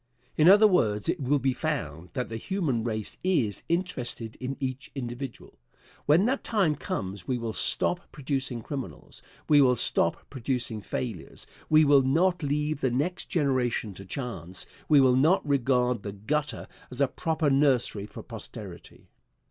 In other words, it will be found that the human race is interested in each individual. When that time comes we will stop producing criminals; we will stop producing failures; we will not leave the next generation to chance; we will not regard the gutter as a proper nursery for posterity.